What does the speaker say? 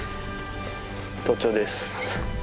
登頂です。